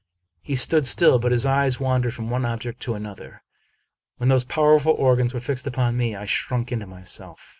He stood still; but his eyes wandered from one object to another. When these powerful organs were fixed upon me, I shrunk into myself.